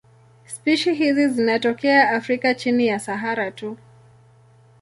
Spishi hizi zinatokea Afrika chini ya Sahara tu.